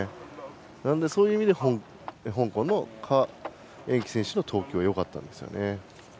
なので、そういう意味で香港の何宛淇選手の投球はよかったですよね。